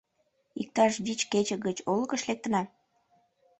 Иктаж вич кече гыч олыкыш лектына.